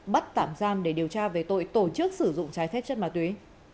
bắt tạm giam để điều tra về tội tổ chức sử dụng trái phép chất ma túy